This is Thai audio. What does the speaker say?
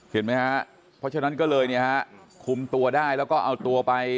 เพราะฉะนั้นก็เลยนะฮะคุมตัวได้แล้วก็เอาตัวไป